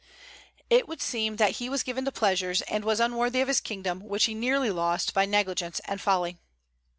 It would seem that he was given to pleasures, and was unworthy of his kingdom, which he nearly lost by negligence and folly.